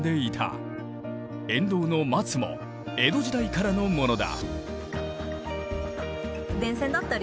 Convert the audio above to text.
沿道の松も江戸時代からのものだ。